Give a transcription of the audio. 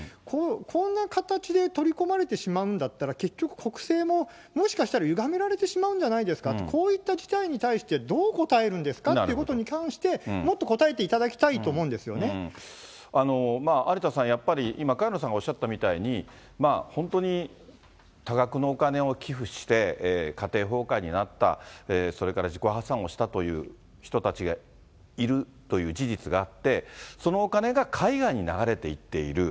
こんな形で取り込まれてしまうんだったら、結局、国政も、もしかしたらゆがめられてしまうんじゃないですか、こういった事態に対して、どう答えるんですかということに関して、もっと答えていただきた有田さん、やっぱり、今、萱野さんがおっしゃったみたいに、本当に多額のお金を寄付して家庭崩壊になった、それから自己破産をしたという人たちがいるという事実があって、そのお金が海外に流れて行っている。